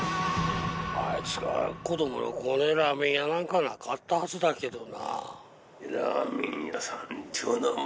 あいつが子どもの頃ラーメン屋なんかなかったはずだけどな。